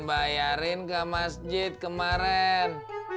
bayarin ke masjid kemarin